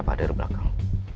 pak dari belakang